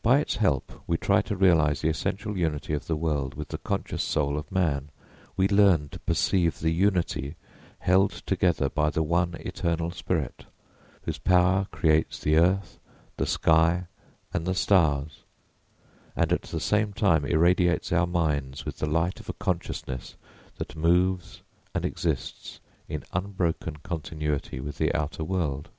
By its help we try to realise the essential unity of the world with the conscious soul of man; we learn to perceive the unity held together by the one Eternal Spirit, whose power creates the earth, the sky, and the stars, and at the same time irradiates our minds with the light of a consciousness that moves and exists in unbroken continuity with the outer world.